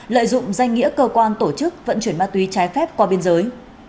lợi dụng danh nghĩa cơ quan tổ chức vận chuyển ma túy trái phép qua biên giới